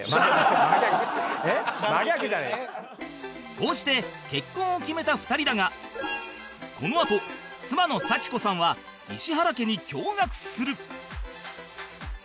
こうして結婚を決めた２人だがこのあと妻の幸子さんは石原家に驚愕する